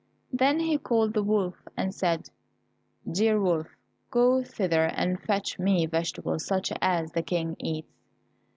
Then he called the wolf, and said, "Dear Wolf, go thither and fetch me vegetables such as the King eats."